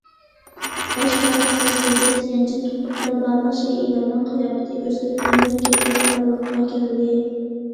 باش باھار مەزگىلىدە، تيەنجىن تۇپرىقىدا بارلىق شەيئىلەرنىڭ قىياپىتى ئۆزگىرىپ يېڭى كەيپىيات بارلىققا كەلدى.